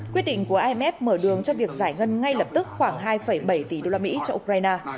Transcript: quyết định của imf mở đường cho việc giải ngân ngay lập tức khoảng hai bảy tỷ đô la mỹ cho ukraine